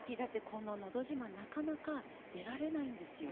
この「のど自慢」なかなか出られないんですよ。